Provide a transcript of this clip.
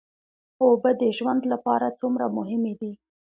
اوبه د ژوند لپاره څومره مهمې دي